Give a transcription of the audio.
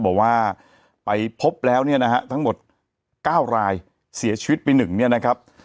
บอกว่าไปพบแล้วเนี้ยนะฮะทั้งหมดเก้ารายเสียชีวิตปีหนึ่งเนี้ยนะครับ